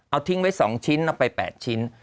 เอาทิ้งไว้๒ชิ้นเอาไป๘ชิ้น